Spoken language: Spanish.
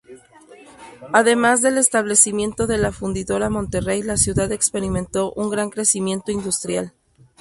Además del establecimiento de la Fundidora Monterrey, la ciudad experimentó un gran crecimiento industrial.